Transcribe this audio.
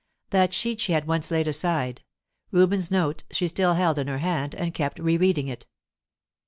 That sheet she at once laid aside; Reuben's note she still held in her hand, and kept re reading it.